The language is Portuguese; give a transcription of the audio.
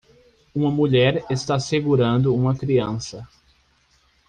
Uma mulher está segurando uma criança